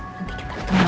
nanti kita ketemu lagi ya